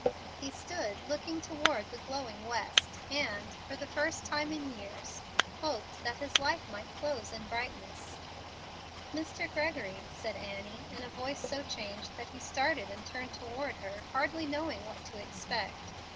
He stood looking toward the glowing west, and, for the first time in years, hoped that his life might close in brightness. "Mr. Gregory," said Annie, in a voice so changed that he started and turned toward her hardly knowing what to expect.